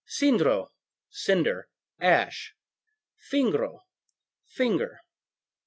Cindro cinder, ash; fingro finger.